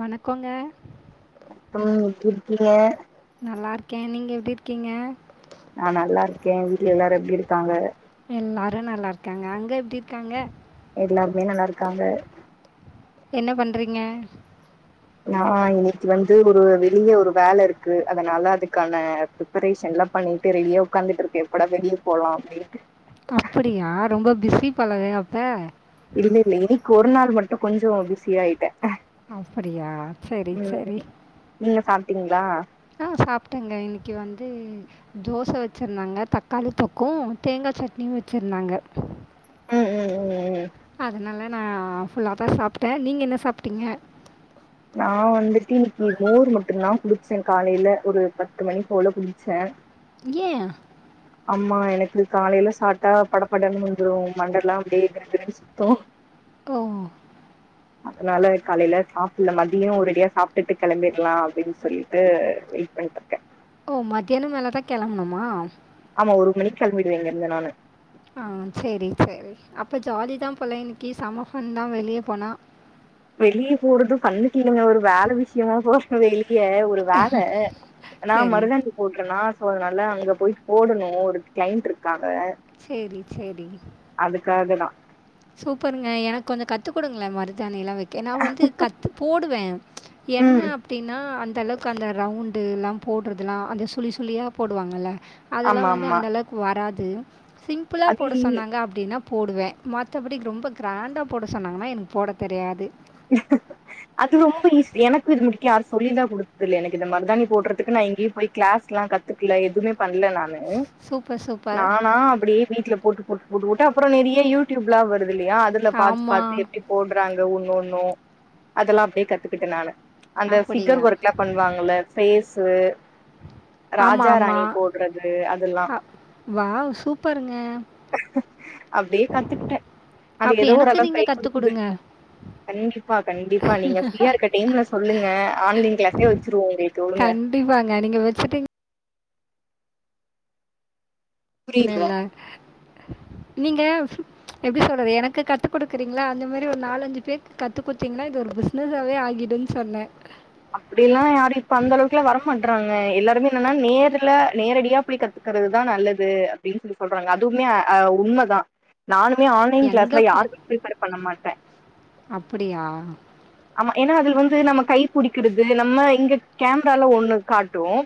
வணக்கோங்க ம் இருக்கீங்க நல்லா இருக்கே நீங்க எப்படி இருக்கீங்க நா நல்லா இருக்கே வீட்ல எல்லாரு எப்டி இருக்காங்க எல்லாரு நல்லா இருக்காங்க அங்க எப்டி இருக்காங்க எல்லாருமே நல்லா இருக்காங்க என்ன பண்றீங்க நா இன்னைக்கு வந்து ஒரு வெளிய ஒரு வேல இருக்கு அதனால அதுக்கான ப்பரேஷன்ல்லாம் பண்ணிட்டு ரெடியா உக்காந்துட்ருக்க எப்படா வெளிய போலா அப்டின்ட்டு அப்படியா ரொம்ப பிஸி போலவே அப்ப இல்ல இல்ல இன்னைக்கு ஒரு நாள் மட்டு கொஞ்சோ பிஸி ஆயிட்ட அப்படியா செரி செரி நீங்க சாப்ட்டீங்களா ஆ சாப்ட்டேங்க இன்னைக்கு வந்து தோச வச்சிருந்தாங்க தக்காளி தொக்கு தேங்கா சட்னியு வச்சிருந்தாங்க ம் ம் ம் ம் ம் அதனால நா ஃபுல்லா தா சாப்ட்ட நீங்க என்ன சாப்ட்டீங்க நா வந்துட்டு இன்னைக்கு மோர் மட்டுந்தா குடிச்சே காலைல ஒரு பத்து மணி போல குடிச்ச ஏ ஆமா எனக்கு காலையில சாட்டா படப்படன்னு வந்துரு மண்டெல்லா அப்டே கிருகிரு சுத் போ உம் அதனால காலையில சாப்ட்ல மதியம் ஒரேடியா சாப்ட்டுட்டு கிளம்பிடலாம் அப்படின்னு சொல்லி அது வெயிட் பண்ணிட்ருக்கேன் ஓ மத்தியானம் மேலதான் கெளம்பனுமா ஆமா ஒரு மணி கெளம்பிடுவே இங்க இருந்து நானு ஆ சேரி சேரி அப்ப ஜாலி தான் போல இன்னைக்கு செம ஃபன் தான் வெளிய போனா வெளிய போறதும் ஃபன்னுக்கு இல்லைங்க ஒரு வேல விஷயமா போற வெளிய ஒரு வேற நான் சரி, மருதானி போட்டனா சோ அதனால அங்க போய் போடுங்க ஒரு கிளைண்ட் இருக்காங்க சேரி சேரி அதுக்காக தான் சூப்பருங்க எனக்கு கொஞ்சோ கத்து குடுங்கள மருதாணி எல்லாம் வைக்க நா வந்து கத்து போடுவேன் என்ன ம் அப்படின்னா அந்த அளவுக்கு அந்த ரவுண்டு எல்லாம் போடுறதுல்லாம் அந்த சுழி சுழியா போடுவாங்கல்ல அதெல்லாம் ஆமா வந்து ஆமா அந்த அளவுக்கு வராது சிம்பிளா அது போட சொன்னாங்க அப்படின்னா போடுவேன் மத்தபடி ரொம்ப கிராண்டா போட சொன்னாங்கன்னா எனக்கு போட தெரியாது ஹ அது ரொம்ப ஈசி எனக்கு இது முடிக்க யாரும் சொல்லிலாம் கொடுத்தது இல்ல எனக்கு இந்த மருதானி போடுறதுக்கு நா எங்கேயும் போய் கிளாஸ்ல்லாம் கத் துக்கல எதுவுமே பண்ணல நானு சூப்பர், சூப்பர். நானா அப்படியே வீட்டுல போட்டு போட்டு போட்டு போட்டு அப்புறம் நெறைய யூடியூப்ல்ல வருது இல்லையா அதுல பாத்து ஆமா. பாத்து எப்படி போட்றாங்க ஒன்னு ஒன்னும் அதெல்லாம் அப்படியே கத்துக்கிட்டேன் நானு அந்த ஃபிகர் அப்படியா? ஒர்க்ல்லாம் பண்ணுவாங்க இல்ல பேஸு ஆமா, ராஜா ஆமா. ராணி போட்றது அதெல்லாம் அ வாவ்! சூப்பருங்க. அப்டியே கத்துக்கிட்ட அது அப்ப ஏதோ ஒரு எனக்கு அளவுக் நீங்க கை கத்துக் குடுக்குது குடுங்க. கண்டிப்பா கண்டிப்பா நீங்க ஃப்ரீயா இருக்க டைம்ல சொல்லுங்க ஆன்லைன் கிளாஸே வெச்சிருவோ உங்களுக்கு வுடுங்க கண்டிப்பாங்க நீங்க வெச்சுட்டீங் புரியுதுல கள நீங்க எப்டி சொல்றது எனக்கு கத்துக்குடுக்கறீங்களா அந்த மாரி ஒரு நாலஞ்சு பேத்துக்கு கத்து குடுத்தீங்கன்னா இது ஒரு பிஸ் னசாவே ஆகிடுன்னு சொன்ன அப்டியெல்லா யாரும் இப்ப அந்த அளவுக்குல வர மாட்றாங்க எல்லாருமே என்னன்னா நேர்ல நேரடியா புடி க ருக்குறதுதா நல்லது அப்டின்னு சொல்லி சொல்றாங்க அதுவுமே அ உண்மதா நானுமே ஆன்லைன் எங்க கிளாஸ்ல போ யாருக்கு ப்ரிப்பேர் பண்ண மாட்ட அப்படியா ஆமா ஏன்னா அதுல வந்து நம்ம கை புடிக்கிறது நம்ம இங்க கேமரால ஒண்ணு காட்டும்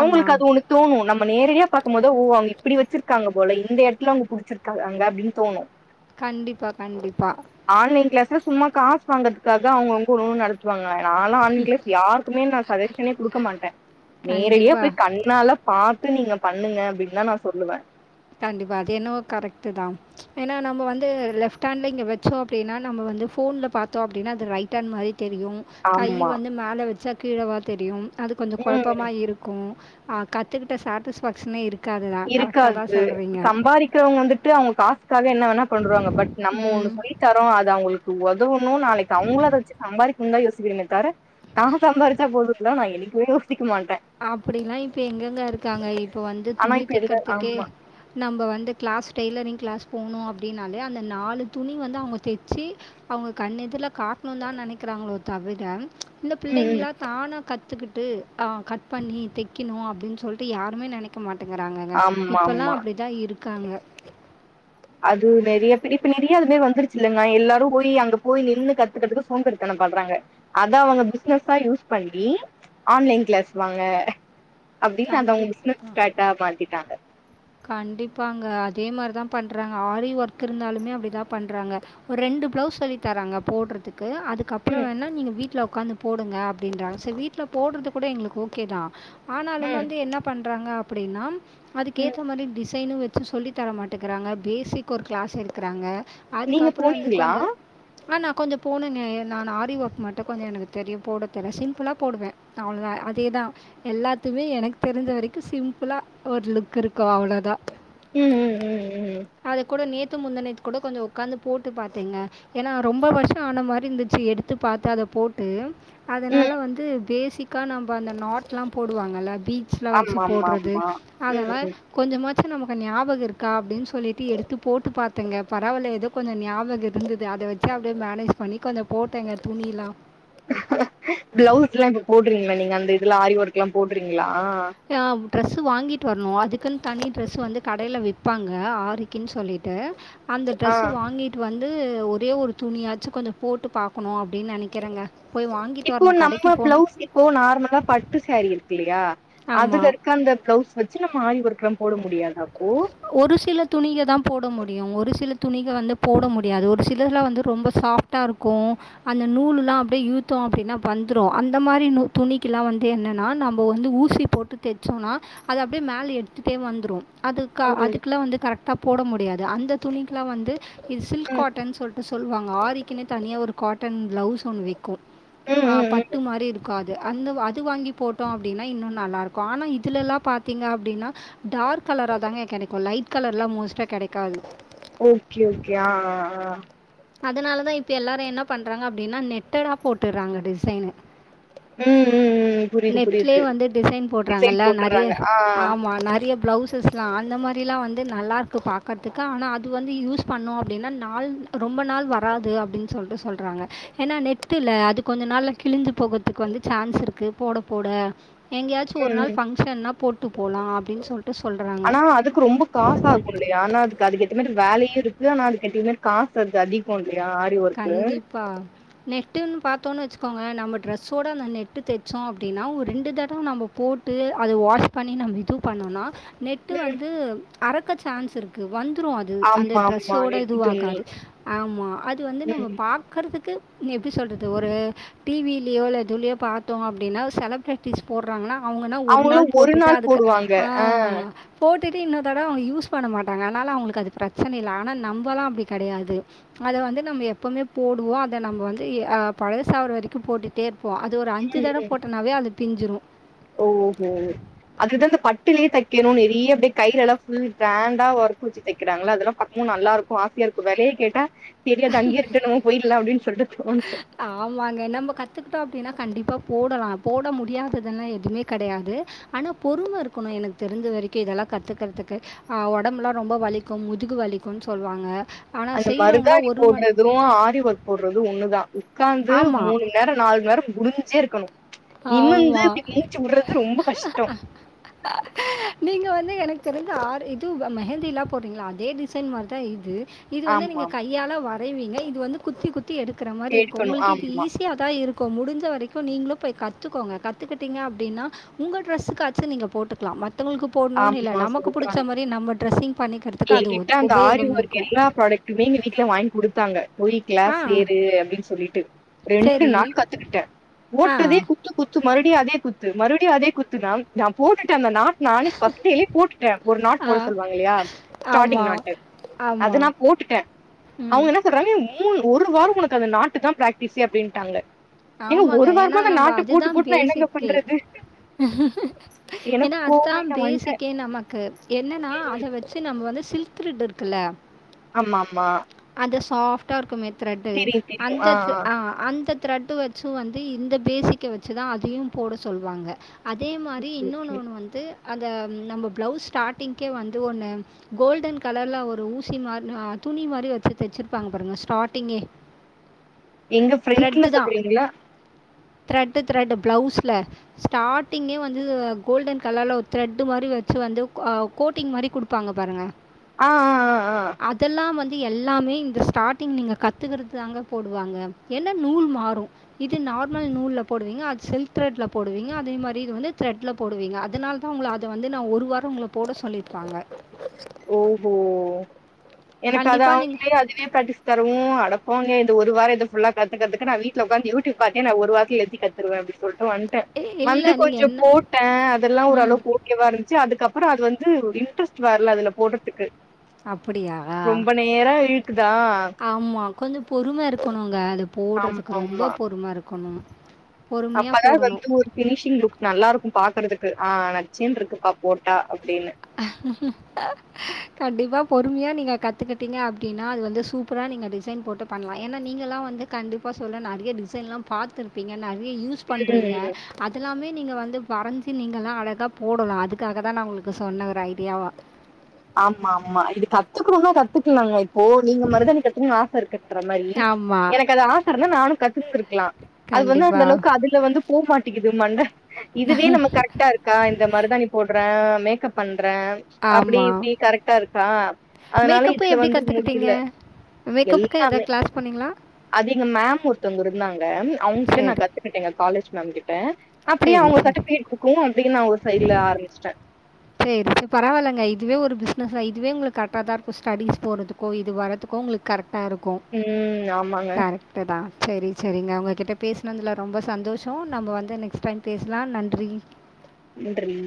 ஆமா. அது ஒன்னு தோணும் நம்ம நேரடியா பாக்கும் போது ஓ அவுங்க இப்டி வச்சிருக்காங்க போல இந்த எடத்துல அவுங்க புடிச்சிருக்காங்க அங்க அப்டின்னு தோணும் கண்டிப்பா கண்டிப்பா ஆன்லைன் கிளாஸ்ல சும்மா காசு வாங்குறதுக்காக அவுங்கவுங்க ஒன்னு நட த்துவாங்க நாலா ஆன்லைன் கிளாஸ் யாருக்குமே நா சஜ்ஷனே குடுக்க மாட்ட நேரடியா கண்டிப்பா, போய் கண் கண்ணால பாத்து நீங்க பண்ணுங்க அப்டின்தா நா சொல்லுவேன் கண்டிப்பா அது என்னவோ கரெக்டு தா ஏன்னா நம்ம வந்து லெப்ட் ஹேண்ட்ல இங்க வச்சோம் அப்டின்னா நம்ம வந்து போன்ல பாத்தோம் அப்டின்னா அது ரைட் ஹேண்ட் மாரி தெரியு கை ஆமா வந்து மேல வச்சா கீழவா தெரியும் அது கொஞ்சோ ம் குழப்பமா இருக்கும் ஆ கத்துக்கிட்ட சாட்டிஸ்ஃபேக்ஷனே இருக்காது தா கரெக்டாக தா இது சம்பாறிக்க வந்துட்டு அவுங்க காசு காக என்ன வேணா பண்றுவாங்க பட் நம்ம ம். ஒன்னு சொல்லி தரோ அத அவுங்களுக் கு உதவணு நாளைக் அவுங்களு அத வெச்சு சம்பாரி ந்தா யோசிக்குறோமே தவர தா சம்பாரிச்சா போதுன்லா நா என்னைக்குமே யோசிக்க மாட்டே அப்டில்லா இப்ப எங்கெங்க இருக்காங்க இப்ப வந்து ஆனா துணி இப்ப எல்ல தைக்கறதுக்கே ஆமா நம்ப வந்து கிளாஸ் டெய்லரிங் கிளாஸ் போணு அப்டின்னாலே அந்த நாலு துணி வந்து அவுங்க தெச்சு அவுங்க கண்ணு எதிருல காட்ணு தா நெனைக்கிறாங்களோ தவிர இந்த ம் ம் பிள்ளைங்களா தானா கத்துக்கிட்டு ஆ க பண்ணி தைக்கணு அப்டின் சொல்ட்டு யாருமே நெனைக்க மாட்டேங்கறாங்கங்க ஆமா இப்பெல்லா ஆமா அப்டிதா இருக் காங்க அது நெறைய பேர் இப்ப நெறையா அது மாரி வந்துருச்சு இல்லங்கா எல்லாரு போய் அங்க போய் நின்னு கத்துக்கறதுக்கு சோம்பேறித்தனம் படுறாங்க அத அவங்க பிசினஸ்ஸா யூஸ் பண்ணி ஆன்லைன் கிளாஸ் வாங்க அப்டின்னு அத கண்டிப் அவுங்க பிசினஸ்ஸேட்டா மாத்திடாங்க கண்டிப்பாங்க அதே மாரிதா பண்றாங்க ஆரி ஒர்க் இருந்தாலுமே அப்டிதா பண்றாங்க ஒரு ரெண்டு பிளவுஸ் சொல்லி தராங்க போடுறதுக்கு அதுக் கப்புறோ ம் வேணா நீங்க வீட்ல உக்காந்து போடுங்க அப்டின்றாங்க சரி வீட்ல போடுறது கூட எங்களுக் ஓகே தா ஆ னாலுமே ம் வந்து என்ன பண்றாங்க அப்டின்னா ம் அதுக்கேத்த மாரி டிஸ் டிசைன்னு வச்சு சொல்லித் தர மாட்டுக்கிறாங்க பேசிக் ஒரு கிளாஸ் எடுக்குறாங்க நீங்க அதுக்கப்புறோ வந்து போனீங்களா கொஞ்ச ஆனா நா கொஞ்ச போனேங்க என் நா நா ஆரி வொர்க் மட்டு கொஞ்ச எனக்கு தெரியு போட தெரியு சிம்பிளா போடுவே அவ்ளோ தா அதே தா எல்லா த்துமே எனக்கு தெரிஞ்ச வரைக்கு சிம்பிளா ஒரு லுக்கு இருக்கு அவ்ளோ தா ம் ம் ம் ம் ம் அது கூட நேத்து முந்தணேத்து கூட கொஞ்ச உக்காந்து போட்டு பாத்தேங்க ஏனா ரொம்ப வருஷோ ஆன மாரி இருந்துச்சு எடுத்து பாத்து அத போட்டு அதனால ம் வந்து பேசிக்கா நம்ப அந்த நாட்டெல்லா போடுவாங்கல்ல பீ ட்ஸ்லா வெச்சி ஆமா ஆமா போடுறது ஆமா ம் அதெல்லா ம் கொஞ்சமாச்சி நமக்கு நியாபகோ இருக்கா அப்டின் சொ சொல்லிட்டு எடுத்து போட்டு பாத்தேங்க பரவால்ல ஏதோ கொஞ்சோ ஞாபகோ இருந்தது அத வெச்சு அப்டியே மேனேஜ் பண்ணி கொஞ்சோ போட்டேங்க துணிலா ப்ளவுஸ்ல்லா இப்ப போட்றீங்ளா நீங்க அந்த இதுல ஆரி ஒர்க்ல்லா போட்றீங்ளா லா ட்ரெஸ்ஸு வாங்கிட்டு வர்னோ அதுக்குன் தனி ட்ரெஸ்ஸு வந்து கடைல விப்பாங்க ஆரிக்குன் சொல்லிட்டு அந்த ஆ ட்ரெஸ்ஸு வாங்கிட்டு வந்து ஒரே ஒரு துணியாச்சு கொஞ்சோ போட்டு பாக்கணோ அப்டின் நெனைக்கறேங்க போய் வாங்கிட்டு இப்போ வரணோ நம்ம கடைக்கு போணோ பிளவுஸ் இப்போ நார்மலா பட்டு சேரீ இருக்கு இல்லயா அதுல ஆமாம் இருக்க அந்த ப்ளவுஸ் வச்சு நம்ம ஆரி ஒர்க்லா போட முடியாதா அப்போ ஒரு சில துணிக தா போட முடியு ஒரு சில துணிக வந்து போட முடியாது ஒரு சிலலா வந்து ரொம்ப சாஃப் டா இருக்கோ அந்த நூலுல்லா அப்டியே இளுத்தோ அப்டின்னா வந்துரோ அந்த மாரி நூ துணிக்குல்லா வந்து என்னன்னா நம்போ வந்து ஊசி போட்டு தெச்சோனா அது அப்டியே மேல எடுத் துட்டே வந்துரோ அதுக்கா ம் அதுக்குல்லா வந்து கரெக்டா போட முடியாது அந்த துணிக்குலா வந்து இது சில்க் ம் காட்டன் சொல்ட்டு சொல்லுவாங்க ஆரிக்குன்னே தனியா ஒரு காட்டன் ப்ளவுஸ் ஒன்னு விக்கோ ம் ஆ ம் பட் ம் டு மாரி இருக்காது அந்த அது வாங்கி போட்டோ அப்டின்னா இன்னோ நல்லாருக்கோ ஆனா இதுலலா பாத்தீங்க அப்டின்னா டார்க் கலரா தாங்க கெடைக்கோ லைட் கலர்லா மோஸ்ட்டா கெடைக்காது ஓகே ஓகே ஆ ஆ அதனால தா இப்ப எல்லாரு என்ன பண்றாங்க அப்டின்னா நெட்டடா போட்டுறாங்க டிசைனு ம் ம் ம் புரியுது நெட்லயே புரியுது வந்து டிசைன் டிசைன் போட்றாங்கல்ல நெறைய போட்டுறாங்க ஆ ஆமா நெறைய பிளவுசஸ்ல்லா அந்த மாரில்லா வந்து நல்லா இருக்கு பாக்கறதுக்கு ஆனா அது வந்து யூஸ் பண்ணோ அப்டின்னா நாள் ரொம்ப நாள் வராது அப்டின் சொல்ட்டு சொல்றாங்க ஏனா நெட்டில்ல அது கொஞ்சோ நாள்ல கிழிஞ்சி போகறதுக்கு வந்து சான்ஸ் இருக்கு போட போட எங்கயாச்சு ஒரு ம் ம் நாள் பங்க்ஷன்னா போட்டு போலா அப்டின் சொல்ட்டு சொல்றாங்க ஆனா அது க்கு ரொம்ப காசு ஆகு இல்லயா ஆனா அதுக்கு அதுக்கேத்த மாரி வேலயு இருக்கு ஆனா அதுக்கேத்த மாதி காசு அது அதிகோ இல்லயா அ கண்டிப்பா நெட்டுன்னு பாத்தொன்ன வெச்சுக்கோங்க நம்ம ட்ரெஸ்ஸோட அந்த நெட்டு் தெச்சோ அப்டின்னா ஒரு ரெண்டு தடவ நம்போ போட்டு அத வாஷ் பண்ணி நம்ம இது பண்ணோனா நெட்டு வந்து அறக்க சான்ஸ் இரு க்கு வந்துரு அது அந்த ஆமா ஆமா டிரஸ்ஸோட நெட்டு துணி இதுவாகாது ஆமா அது வந்து நம்ம ம் பா பாக்கறதுக்கு எப்டி சொல்றது ஒரு டி விலியோ இல்லதுலயோ பாத்தோ அப்டின்னா செலப்ரே ட்டீஸ் போட்றாங்னா அவங்கனா ஒரு அவங்களா நாள் ஒரு போட்டுட்டு நாள் அதுக்கு போடுவாங்க ஆ போட்டுட்டு இன்னொ தடவ அவுங்க யூஸ் பண்ண மாட்டாங்க அதனால அவங்ளுக்கு அது பிரச்சன இல்ல ஆனா நம்பலா அப்டி கெடையாது அத வந்து நம்ம எப்பமே போடுவோ அத நம்ம வந்து ஆ பழசாவர வரைக்கு போட் ட்டேருப்போ அது ஒரு அஞ்சு தட போட்டனாவே அது பிஞ்சிரு ஓ சேரி அதுதா இந்த பட்டுலயே தெக்கணு நெறைய அப்டியே கைலலா ஃபுல் க்ராண்டா ஒர்க்கு வெச்சு தெக்கிறாங்கல்ல அதெல்லா பாக் ம் நல்லா இருக்கோ ஆசயா இருக்கோ வெலய கேட்டா தெரியாது அங்யே இருக்கட்டு நம்ம போய்ர்ல அப்டின் சொல்ட்டு தோணு ஆமாங்க நம்போ கத்துக்கிட்டா அப்டின்னா கண்டிப்பா போடலா போட முடியாதுதுன்ல்லா எதுமே கெடையாது ஆனா பொறும இருக்கனு எனக்கு தெரிஞ்ச வரைக்கு இதெல்லா கத்துக்கறதுக்கு அ ஒடம்பெல்லா ரொம்ப வலிக்கு முதுகு வலிக்குனு சொல்வாங்க ஆனா அந்த மருதாணி செய்றவங்கலாம் ஒரு மண் போடறது இதுவு ஆரி ஒர்க் போடறது ஒண்ணுதா உக்காந்து ஆமா, மூண் நேரோ நாலு நேரம் குணிஞ்சே இருக்கனு நிமிந்து ஆமா. அதுக்கு மூச்சு விடறது ரொம்ப கஷ்டோ நீங்க வந்து எனக்கு தெரிஞ்சு ஆரி இது வ மெஹந்தி எல்லா போடுறீங்கல்ல அதே டிசைன் மாறிதா இது இது வந்து நீங்க ஆமாம் கையால வரைவீங்க இது வந்து குத்தி குத்தி எடுக்கற மாரி இருக்கு எடுக்கணு உங்ளுக்கு இது ஆமா ஈஸி யாதா இருக்கு முடிஞ்ச வரைக்கு நீங்ளு போய் கத்துக்கோங்க கத்துக்கிட்டீங்க அப்டின்னா உங்க டிரஸ்ஸுக்காச்சு நீங்க போட்டுக்லா மத்தவங்ளுக்கு போடுனுனில்ல ஆமா நமக்கு புடிச்ச மாரி நம்ம டிரெஸ்ஸிங் பண்ணிக்கறது கேட்டுட்டுதா அந்த ஆரி ஒர்க் எல்லா ப்ராடக்டுமே எங்க வீட்ல வாங்கி குடுத்தாங்க போய் கிளாஸ் ஆ சேரு அப்டின்னு சொல்லிட்டு ரெண்டு சரி நாள் கத்துக்கிட்ட ஆ போட்டதே கு குத்து குத்து மறுபடியு அதே குத்து மறுபடியு அதே குத்துதா நா போட்டுட்டு அந்த நானு ஃபர்ஸ்ட்டு டைமே போட்டுட்ட ஒரு நாள் ஆ நாட் சொல்லுவாங்ல்லயா ஸ்டார்டிங் ஆமாம் நாட்டு அது நா ஆமாம் போட்டுட்ட ம் அவுங்னா என்ன சொல்றாங்க மூண் ஒரு வாரோ உனக்கு அந்த நாட்டுதான் பிராக்டிக்ஸே அப்டின்ட்டாங்க ஏங்க ஆமாங்க ஒரு ஏன்னா வாரமா இந்த நம்ம நாட்ட போட்டு போட்டு நா என்னங்க பண்றது எனக்கு ஏனா கோவமாயி அதுதான் நா வந்ட்டே பேசிக்கே நமக்கு என்னனா அத வெ ச்சு நம்ம வந்து சில்க் த்ரெட் இருக்கல்ல ஆமாமா அந்த சாஃப்டா இருக்குமே த்ரெட்டு தெரியு அந்த ஆ தெ ஆ அ அந்த த்ரெட்டு வெச்சு வந்து இந்த பேசிக்க வெச்சுதான் அதையும் போட சொல்வாங்க அதே மாரி ஓகே இன்னொன்னு ஓகே ஒன்னு வந்து அந்த நம்ம ப்ளவுஸ் ஸ்டார்ட்டிங்க்கே வந்து ஒன்னு கோல்டன் கலர்ல ஒரு ஊசி மாரி அ துணி மாரி வெச்சு தெச்சிருப்பாங்க பாருங்க ஸ்டார்ட்டிங்கே எங்க ப்ரெண்ட்ல சொல்றீங்ளா திரட்டு் திரட்டு பிளவுஸ்ல ஸ்டாரிங்கே வந்து கோல்டன் கலர்ல ஒரு திரட்டு மாரி வச்சு அ வந்து கோட்டிங் மாரி குடுக் வெப்பாங்க பாருங்க ஆ ஆ ஆ ஆ அதெல்லா வந்து எல்லாமே இந்த ஸ்டார்டிங் நீங்க கத்துக்கிறது தாங்க போடுவாங்க என்னா நூல் மாறு இது நார்மல் நூல்ல போடுவீங்க அது சில்க் திரட்ல போடுவீங்க அதே மாதிரி இது வந்து திரட்ல போடுவீங்க அதனால தான் உங்கள அதை வந்து நா ஒரு வாரம் உங்கள போட சொல்லியிருபாங்க ஓ ஹோ எனக்கு அது கண்டிப்பாக அவங்களைளே அதுவே பிராட்ஷ் தருரு அடப் போங்க இத ஒரு வார இத ஃபுல்ல கத்கறதுக்கு நா வீட்டுல உக்காந்து யூடியூப் பாத்தே நா ஒரு வாரத்துல எப்டி கத் கத்துக்வே அப்டின்னு சொல்லிட்டு வண்டேன் நீங்கள் வந்து இல்லை நீங்கள் கொஞ்சோ என்ன போட்டே அதெல்லா ம் ஓரளவு ஓகே ஓகே வா இருந்துச்சு அதுக்கப்பற அது வந்து இன்ட்ரெஸ்ட் வரல அதுல போடுறதுக்கு அப்படியா ரொம்ப நேர இலுக்குதா ஆமா கொஞ்சோ பொறும இருக்கணுங்க அத ஆமா போடுறதுக்கு ரொம்ப பொறும இருக்கணுங்க அப்பனா வந்து ஒரு கி ஃபினிஷிங் லுக் நல்லாிருக்கு பாக்கறதுக்கு ஆ நச்சின்னு இருக்கு பா போட்டா அப்படின்னு ஆக கண்டிப்பா பொறுமையா நீங்க கத்துக்கிட்டீங்க அப்டினா அது வந்து சூப் சூப்பரா நீங்க டிசைன் போட்டு பண்ணலா ஏன்னா நீக்கலா வந்து கண்டிப்பா சொல்ல நெறைய டிசைன்ல்லா பார்த்திருப்பீங்க நிறைய யூஸ்ப் யூஸ் பண்றீங்க ம் அதெல்லாமே நீங்க வந்து வரைஞ்சி நீங்க எல்லா அழகா போடலா அதுக்காகதா நா உங்களுகு சொ சொன்ன ஒரு ஐடியாவா ஆமா ஆமா இது கத்துக்கணுனா கத்துக்கலாங்க இப்போ நீங்க மருதாணி கத்துகணுனு ஆச இருக்குன்ற மாரி ஆமா. எனக்கு அது ஆச இருந்த நானு கத்துந்துருக்கலா அது வந்து அந்த கண்டிப்பா. அளவுக்கு அதுல வந்து போ மாட்டக்குது மண்ட இதுவே நம்ம கரெக்டா இருக்கு கா இந்த மருதாணி போடுறே மேக்கப் பண்றே அப்டி ஆமா. இப்டி கரெக்டா இருக்கா அதனால மேக்கப்பு இதுல எப்படி வந்து கத்துக்கிட்டீங்க? முடியல மேக்கப்புக்கு எல்லாமே எதாவது கிளாஸ் போனீங்களா? அது இங்க மேம் ஒருத்தவங்க இருந்தாங்க அவங்க கிட்ட நா சரி. கத்துக்கிட்டே காலேஜ் மேம் கிட்ட அப்படியே சரி, அவங்க சரி. சர்ஃபீகேட் கொடுக்கவு அப்படின்னு நா ஒரு சைடுல ஆரம்பச்சிட்டே சேரிப் பரவாயில்லங்க இதுவே ஒரு பிஸ்னஸ் அ இதுவே உங்களுக்கு கரெக்டா தா இருக்கும் ஸ்டடிஸ் போறதுக்கு இப்ப இது வரதுக்கு உங்களுக்கு கரெக்டா இருக்கு ம் ஆமாங்க [unintelligible] சேரி சேரிங்க உங்ககிட்ட பேசினதுல ரொம்ப சந்தோஷம் நம்ம வந்து நெக்ஸ்ட் டைம் பேசலா நன்றி நன்றி